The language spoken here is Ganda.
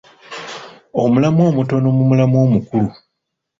Omulamwa omutono mu mulamwa omukulu